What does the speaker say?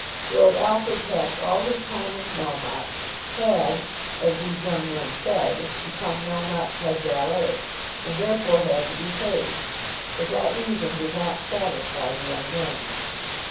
Lord Alfred passed all his time with Melmotte, had, as these young men said, become Melmotte's head valet, and therefore had to be paid. But that reason did not satisfy the young men.